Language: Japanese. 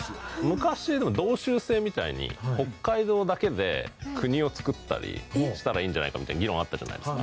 昔でも道州制みたいに北海道だけで国をつくったりしたらいいんじゃないかみたいな議論あったじゃないですか。